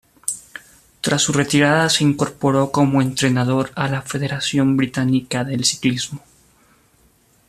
Tras su retirada se incorporó como entrenador a la Federación Británica de Ciclismo.